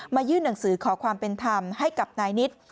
ยื่นหนังสือขอความเป็นธรรมให้กับนายนิด